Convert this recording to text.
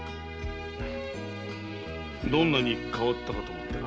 どんなに変わったかと思ってな。